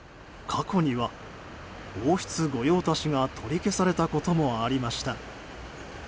過去には王室御用達が取り消されたこともありました。